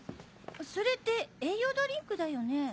それって栄養ドリンクだよね？